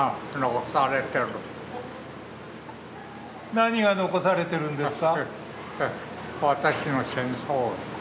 何が残されてるんですか？